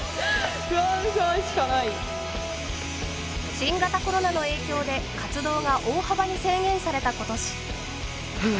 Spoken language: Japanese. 新型コロナの影響で活動が大幅に制限された今年。